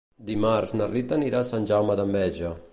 Dimarts na Rita anirà a Sant Jaume d'Enveja.